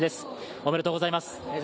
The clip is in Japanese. おめでとうございます。